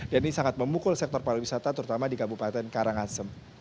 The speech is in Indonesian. dan ini sangat memukul sektor pariwisata terutama di kabupaten karangasem